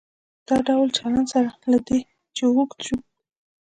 دا ډول چلن سره له دې چې اوږد شو.